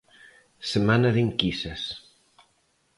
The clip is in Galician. Semana de enquisas.